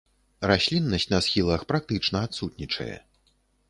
Расліннасць на схілах практычна адсутнічае.